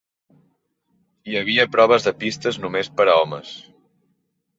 Hi havia proves de pistes només per a homes.